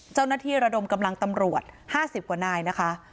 เจ้าหน้าที่ระดมกำลังตำรวจห้าสิบกว่านายนะคะ